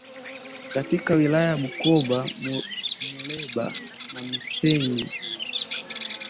katika wilaya za Bukoba Muleba na Missenyi